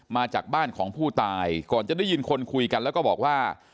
มาจากบ้านของผู้ตายก่อนจะได้ยินคนคุยกันแล้วก็บอกว่า